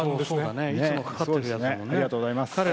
小野さんありがとうございます！